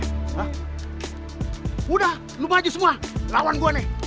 hah udah lu maju semua lawan gue nih